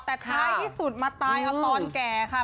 แต่ท้ายที่สุดมาตายเอาตอนแก่ค่ะ